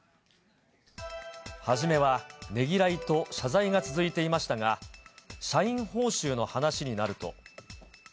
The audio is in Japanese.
初めはねぎらいと謝罪が続いていましたが、社員報酬の話になると。